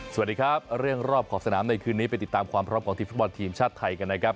สวัสดีครับเรื่องรอบขอบสนามในคืนนี้ไปติดตามความพร้อมของทีมฟุตบอลทีมชาติไทยกันนะครับ